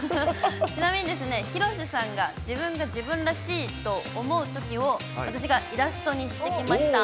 ちなみにですね、広瀬さんが自分が自分らしいと思うときを、私がイラストにしてきました。